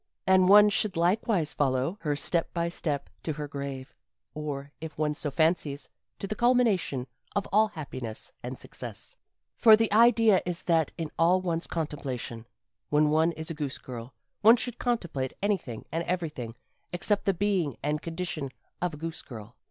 And one should likewise follow her step by step to her grave, or, if one so fancies, to the culmination of all happiness and success. "For the idea is that in all one's contemplation, when one is a goose girl, one should contemplate anything and everything except the being and condition of a goose girl.